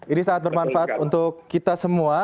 ini sangat bermanfaat untuk kita semua